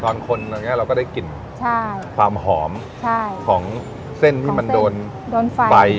ตอนคนแบบเนี้ยเราก็ได้กลิ่นใช่ความหอมใช่ของเส้นที่มันโดนโดนไฟ